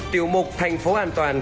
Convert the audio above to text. tiểu mục thành phố an toàn